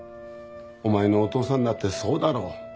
お前のお父さんだってそうだろう。